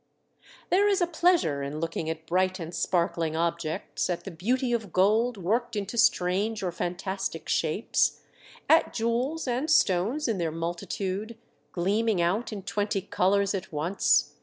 There is a pleasure in looking at bright and sparkling objects, at the beauty of gold worked into strange or fantastic shapes, at jewels and stones in their multitude, gleam ing out in twenty colours at once.